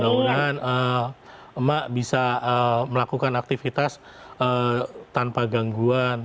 mudah mudahan emak bisa melakukan aktivitas tanpa gangguan